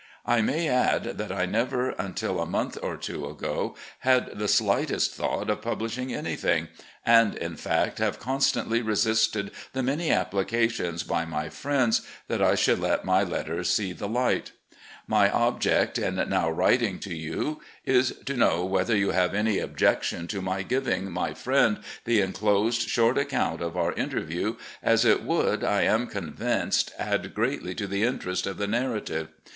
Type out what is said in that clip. I may add that I never until a month or two ago had the slightest thought of publishing anything, and, in fact, have constantly resisted the many applications by my friends that I should let my letters see the light. My 228 RECOLLECTIONS OF GENERAL LEE object in now writing to you is to know whether you have any objection to my giving my friend the inclosed short account of our interview, as it would, I am convinced, add greatly to the interest of the narrative.